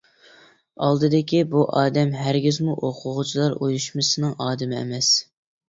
ئالدىدىكى بۇ ئادەم ھەرگىزمۇ ئوقۇغۇچىلار ئۇيۇشمىسىنىڭ ئادىمى ئەمەس.